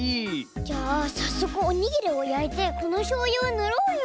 じゃあさっそくおにぎりをやいてこのしょうゆをぬろうよ。